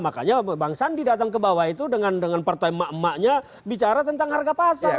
makanya bang sandi datang ke bawah itu dengan partai emak emaknya bicara tentang harga pasar